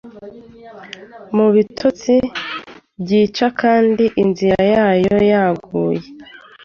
mubitotsi byica Kandi inzira yayo yaguye